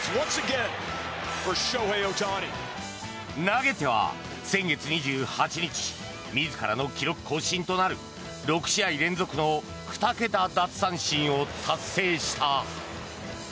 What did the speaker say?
投げては先月２８日自らの記録更新となる６試合連続の２桁奪三振を達成した。